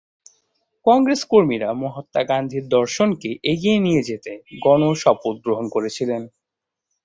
কংগ্রেস কর্মীরা মহাত্মা গান্ধীর দর্শনকে এগিয়ে নিয়ে যেতে গণ শপথ গ্রহণ করেছিলেন।